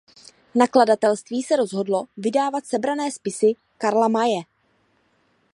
Nakladatelství se rozhodlo vydávat "Sebrané spisy Karla Maye".